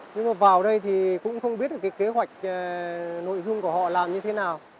nhưng mà vào đây thì cũng không biết được cái kế hoạch nội dung của họ làm như thế nào